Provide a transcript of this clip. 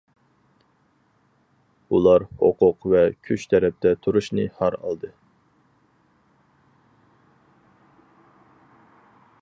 ئۇلار ھوقۇق ۋە كۈچ تەرەپتە تۇرۇشنى ھار ئالدى.